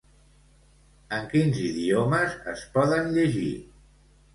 En quins idiomes es poden llegir?